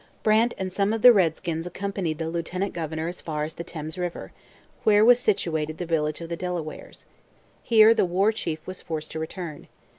Brant and some of the redskins accompanied the lieutenant governor as far as the Thames river, where was situated the village of the Delawares. Here the War Chief was forced to return.